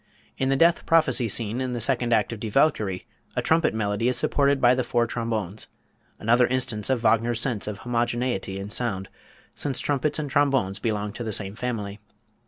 In the Death Prophecy scene in the second act of "Die Walküre," a trumpet melody is supported by the four trombones, another instance of Wagner's sense of homogeneity in sound, since trumpets and trombones belong to the same family.